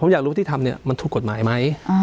ผมอยากรู้ว่าที่ทำมันถูกกฎหมายไหม